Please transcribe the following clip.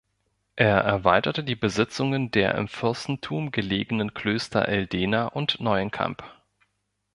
Er erweiterte die Besitzungen der im Fürstentum gelegenen Klöster Eldena und Neuenkamp.